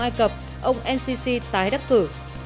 ai cập ông ncc tái đắc cử